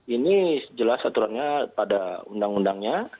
ini jelas aturannya pada undang undangnya